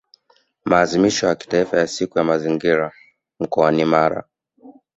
Maadhimisho ya Kitaifa ya Siku ya mazingira duniani mkoani Mara